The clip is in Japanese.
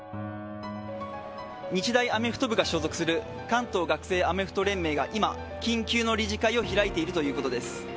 日大アメフト部が所属する関東学生アメフト連盟が今、緊急の理事会を開いているということです。